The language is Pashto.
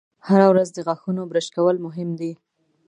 هره ورځ د غاښونو برش کول مهم دي.